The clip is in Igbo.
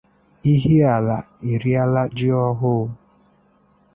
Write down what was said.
Ihiala Eriela Ji Ọhụụ